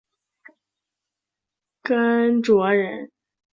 甘卓人。